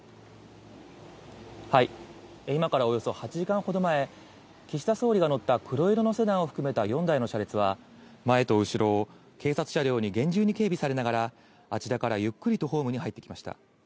今からおよそ８時間ほど前、岸田総理が乗った黒色のセダンを含めた４台の車列は、前と後ろを警察車両に厳重に警備されながら、あちらからゆっくりとホームに入ってきました。